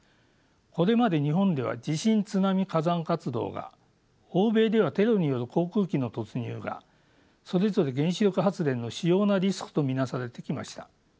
これまで日本では地震津波火山活動が欧米ではテロによる航空機の突入がそれぞれ原子力発電の主要なリスクと見なされてきました。